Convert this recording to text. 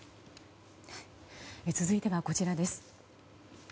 続いては、こちらです。